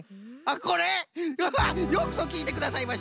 うわっよくぞきいてくださいました。